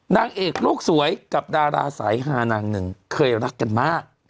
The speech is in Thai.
นางเอกโลกสวยกับดาราสายฮานางหนึ่งเคยรักกันมาก